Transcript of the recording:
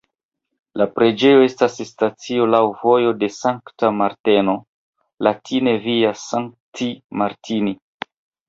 La preĝejo estas stacio laŭ "Vojo de Sankta Marteno" (latine Via Sancti Martini).